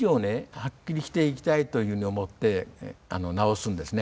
はっきりしていきたいというふうに思って直すんですね。